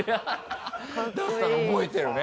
覚えてるね。